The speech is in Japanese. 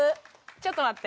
ちょっと待って！